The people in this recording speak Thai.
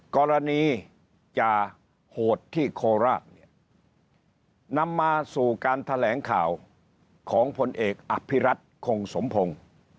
กรณีจาโหดที่โคราชเนี่ยนำมาสู่การแถลงข่าวของพลเอกอภิรัตคงสมพงศ์